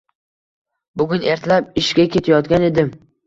Bugun ertalab ishga ketayotgan edim.